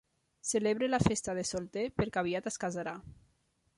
Celebra la festa de solter perquè aviat es casarà.